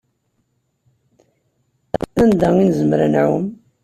Anda i nezmer ad nɛumm?